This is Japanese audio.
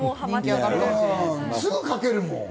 すぐ描けるもん。